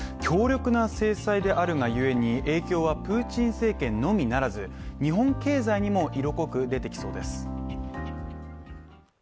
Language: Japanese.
強力な制裁であるがゆえに影響はプーチン政権のみならず日本経済にも色濃く出てきそうです。